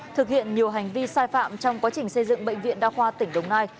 thực hiện nhiều hành vi sai phạm trong quá trình xây dựng bệnh viện đa khoa tỉnh đồng nai